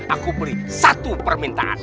aku beli satu permintaan